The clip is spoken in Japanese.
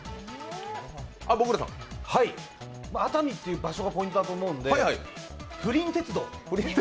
熱海っていう場所がポイントだと思うので不倫鉄道？